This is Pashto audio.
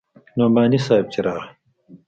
نعماني صاحب چې راغى.